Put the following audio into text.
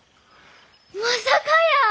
まさかやー。